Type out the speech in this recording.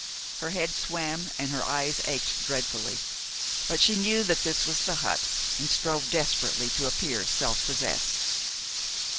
Her head swam, and her eyes ached dreadfully; but she knew that this was the hut, and strove desperately to appear self possessed.